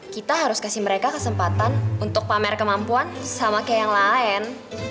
kita harus kasih mereka kesempatan untuk pamer kemampuan sama kayak yang lain